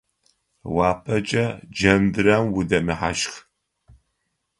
Уапэкӏэ джэндырэм удэмыхьащх.